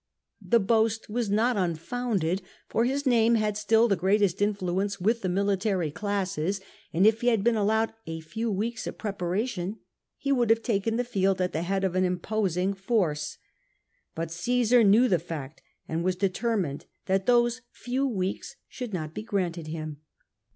The boast was not unfounded, for his name had still the greatest influence with the military classes, and if he had been allowed a few weeks of preparation he would have taken the field at the head of an imposing force. But Cassar knew the fact, and was determined that those few weeks should not be granted him.